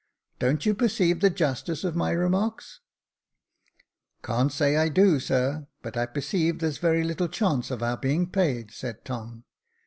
Don't you perceive the justice of my remarks ?"" Can't say I do, sir ; but I perceive there's very little chance of our being paid," said Tom.